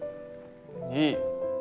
いい。